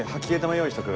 用意しとく。